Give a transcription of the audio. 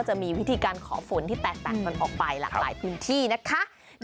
จะมีวิธีการขอฝนที่แตกต่างกันออกไปหลากหลายพื้นที่นะคะ